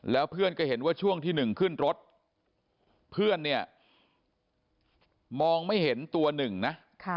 แล้วเพื่อนก็เห็นว่าช่วงที่หนึ่งขึ้นรถเพื่อนเนี่ยมองไม่เห็นตัวหนึ่งนะ